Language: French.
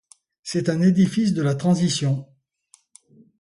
C'est un édifice de la transition.